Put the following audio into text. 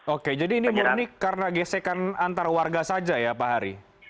oke jadi ini murni karena gesekan antar warga saja ya pak hari